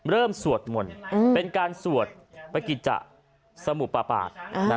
เริ่มสวดหม่นเป็นการสวดประกิจสมุปปาก